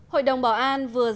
hội đồng bảo an vừa dựa